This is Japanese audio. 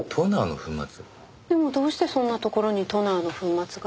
でもどうしてそんなところにトナーの粉末が？